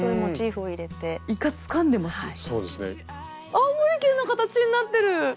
青森県の形になってる！